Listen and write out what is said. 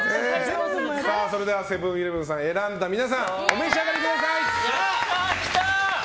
セブン‐イレブンさんを選んだ皆さんお召し上がりください！